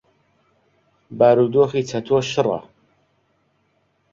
بارودۆخی چەتۆ شڕە.